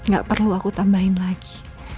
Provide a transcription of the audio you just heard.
gak perlu aku tambahin lagi